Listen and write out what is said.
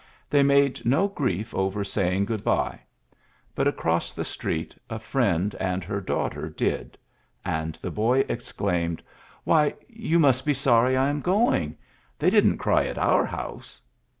They made no grief over saying good by. ULYSSES S. GEAKT 17 Bnt across the street a Mend and her daughter did ; and the boy exclaimed, "Why, you must be sorry I am going. They didn't cry at our house.''